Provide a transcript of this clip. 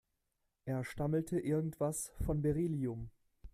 Er stammelte irgendwas von Beryllium.